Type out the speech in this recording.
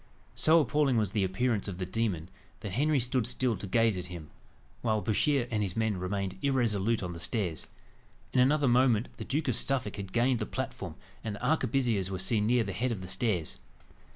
So appalling was the appearance of the demon, that Henry stood still to gaze at him, while Bouchier and his men remained irresolute on the stairs. In another moment, the Duke of Suffolk had gained the platform, and the arquebusiers were seen near the head of the stairs.